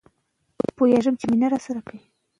که ډبرو سکاره ونه سوځوو نو لوګی نه جوړیږي.